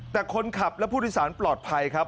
แต่คนขับและผู้โดยสารปลอดภัยครับ